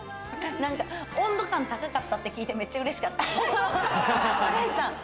温度感高かったって聞いて、めっちゃうれしかった。